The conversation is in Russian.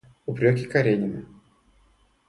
Упреки Каренина.